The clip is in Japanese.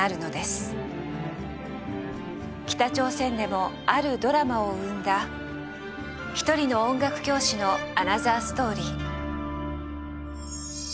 北朝鮮でもあるドラマを生んだ一人の音楽教師のアナザーストーリー。